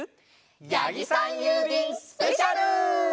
やぎさんゆうびんスペシャル！